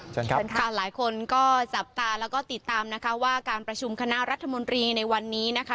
เชิญครับเชิญค่ะหลายคนก็จับตาแล้วก็ติดตามนะคะว่าการประชุมคณะรัฐมนตรีในวันนี้นะคะ